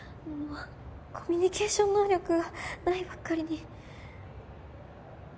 コミュニケーション能力ないばっかりに。